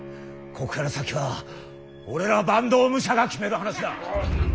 こっから先は俺ら坂東武者が決める話だ。